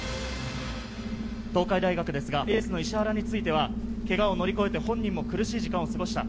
東海大学ですが、エースの石原については、けがを乗り越えて本人も苦しい時間を過ごした。